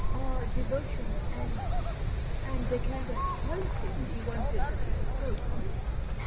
Are devotion, and and the kind of qualities she wanted, so common?